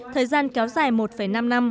thời gian kéo dài một năm năm